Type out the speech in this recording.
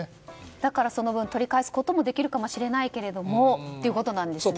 だから、その分取り返すこともできるかもしれないけどってことですよね。